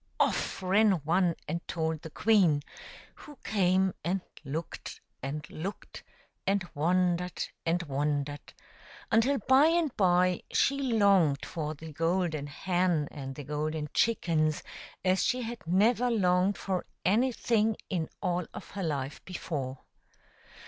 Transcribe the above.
Off ran one and told the queen, who came and looked and looked, and wondered and wondered, until by and by she longed for the golden hen and the golden chickens as she had never longed for anything in all of her life before.